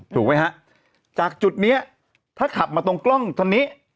ถูกไหมฮะจากจุดนี้ถ้าขับมาตรงกล้องทางนี้